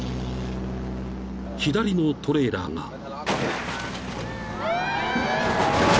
［左のトレーラーが］